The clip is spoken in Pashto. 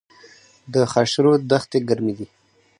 د خاشرود دښتې ګرمې دي